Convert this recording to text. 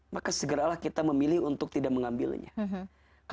maka segeralah kita memilih untuk tidak mengambilnya